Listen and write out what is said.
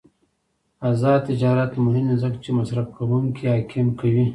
آزاد تجارت مهم دی ځکه چې مصرفکونکي حاکم کوي.